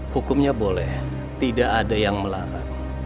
hukumnya boleh tidak ada yang melarang